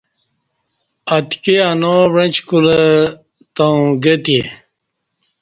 اتکی اناو وݩعچ کولہ تؤوں گہ تے